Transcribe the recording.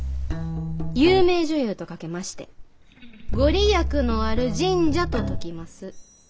有名女優とかけまして御利益のある神社と解きます。